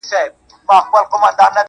غواړمه چي دواړي سترگي ورکړمه.